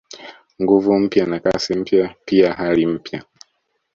Nguvu mpya na Kasi mpya pia hali mpya